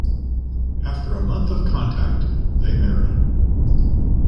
After a month of contact, they marry.